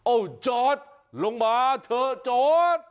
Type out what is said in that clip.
โอ้จอร์ดลงมาเถอะจอร์ด